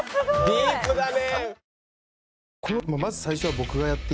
ディープだね。